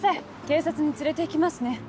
警察に連れて行きますね。